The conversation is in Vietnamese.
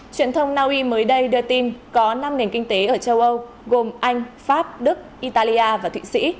truyền thông naui mới đây đưa tin có năm nền kinh tế ở châu âu gồm anh pháp đức italia và thụy sĩ